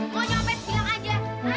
mau nyopet bilang aja